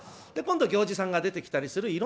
で今度行司さんが出てきたりする。